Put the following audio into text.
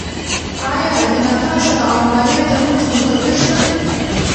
ایا د ناتاشا او ماریا ترمنځ کوم توپیر شته؟